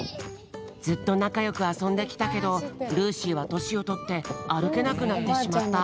ずっとなかよくあそんできたけどルーシーはとしをとってあるけなくなってしまった。